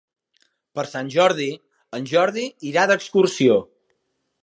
Per Sant Jordi en Jordi irà d'excursió.